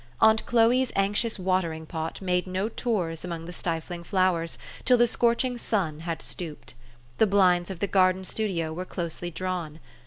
Aunt Chloe's anxious watering pot made no tours among the stifling flowers till the scorching sun had stooped. The blinds of the garden studio were closely drawn.